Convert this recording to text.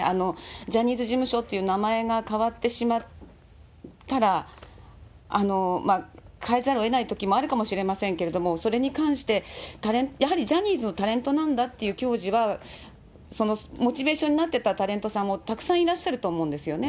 ジャニーズ事務所っていう名前が変わってしまったら、変えざるをえないときもあるかもしれませんけれども、それに関して、やはりジャニーズのタレントなんだっていう矜持は、モチベーションになってたタレントさんもたくさんいらっしゃると思うんですよね。